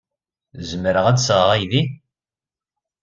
Zemreɣ ad d-sɣeɣ aydi?